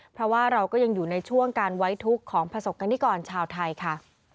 เพราะว่าเราก็ยังอยู่ในช่วงการไว้ทุกข์ของประสบกรณิกรชาวไทยค่ะ